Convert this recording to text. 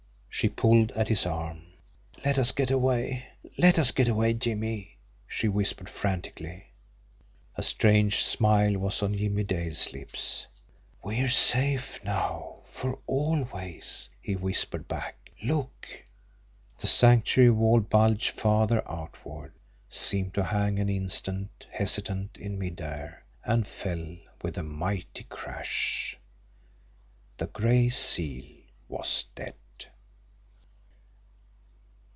She pulled at his arm. "Let us get away! Let us get away, Jimmie!" she whispered frantically. A strange smile was on Jimmie Dale's lips. "We're safe now for always," he whispered back. "Look!" The Sanctuary wall bulged farther outward, seemed to hang an instant hesitant in mid air and fell with a mighty crash. The Gray Seal was dead!